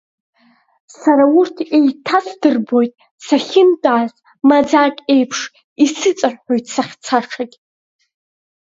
Сара урҭ еиҭасдырбоит сахьынтәааз, маӡак еиԥш, исыҵарҳәоит сахьцашагь.